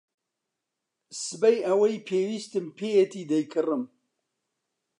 سبەی ئەوەی پێویستم پێیەتی دەیکڕم.